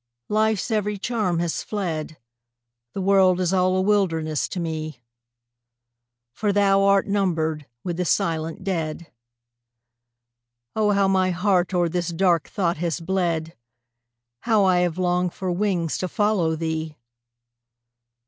Life's every charm has fled, The world is all a wilderness to me; "For thou art numbered with the silent dead." Oh, how my heart o'er this dark thought has bled! How I have longed for wings to follow thee!